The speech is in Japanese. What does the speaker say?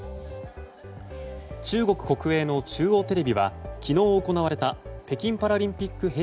中国国営の中央テレビは昨日行われた北京パラリンピック